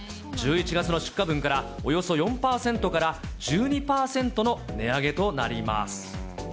１１月の出荷分から、およそ４％から１２％の値上げとなります。